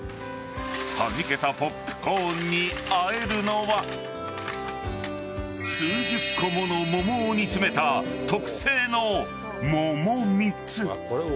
はじけたポップコーンにあえるのは数十個もの桃を煮詰めた特製の桃蜜。